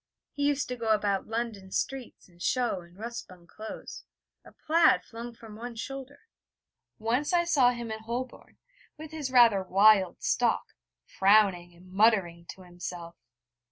He used to go about London streets in shough and rough spun clothes, a plaid flung from one shoulder. Once I saw him in Holborn with his rather wild stalk, frowning and muttering to himself.